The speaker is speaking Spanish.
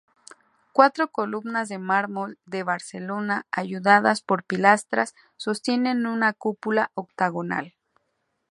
Cuatro columnas de mármol de Barcelona ayudadas por pilastras sostienen una cúpula octogonal.